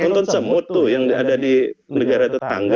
nonton semut tuh yang ada di negara tetangga